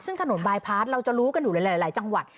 ซึ่งถนนบายพาร์ทเราจะรู้กันอยู่หลายจังหวัด